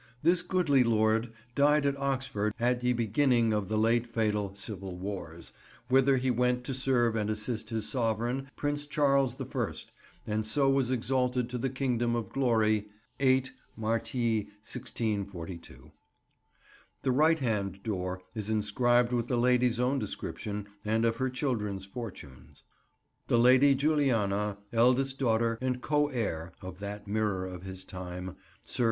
This goodly lord died at Oxford at ye beginning of the late fatall civil warrs, whither he went to serve and assist his sovverain Prince Charles the First, and so was exalted to the Kingdom of Glory, 8° Martii 1642." The right hand door is inscribed with the lady's own description, and of her children's fortunes— "The Lady Juliana, eldest daughter and co heire (of that mirror of his time) Sr.